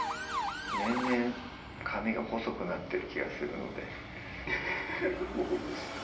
年々髪が細くなってる気がするのでフフフッ僕もです